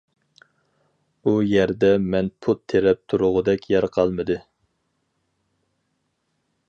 ئۇ يەردە مەن پۇت تىرەپ تۇرغۇدەك يەر قالمىدى.